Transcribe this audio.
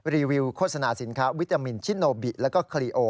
รีวิวโฆษณาสินค้าวิตามินชิโนบิแล้วก็คลีโอ